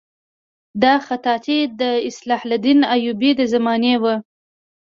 دا خطاطي د صلاح الدین ایوبي د زمانې وه.